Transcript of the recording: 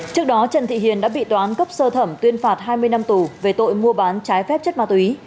trước đó trần thị hiền đã bị toán cấp sơ thẩm tuyên phạt hai mươi năm tù về tội mua bán trái phép chất ma túy